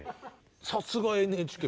さすがＮＨＫ！